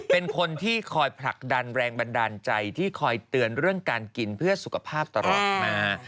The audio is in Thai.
เป็นคนที่คอยผลักดันแรงบันดาลใจที่คอยเตือนเรื่องการกินเพื่อสุขภาพตลอดมา